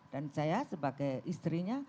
dan saya sebagai istrinya